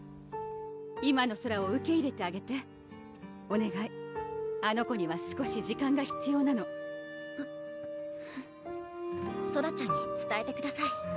今のソラを受け入れてあげておねがいあの子には少し時間が必要なのソラちゃんにつたえてください